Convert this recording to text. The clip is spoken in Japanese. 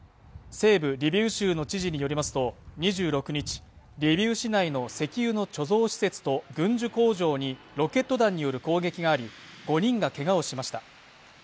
西部リビウ州の知事によりますと２６日、リビウ市内の石油の貯蔵施設と軍需工場にロケット弾による攻撃があり、５人がけがをしました。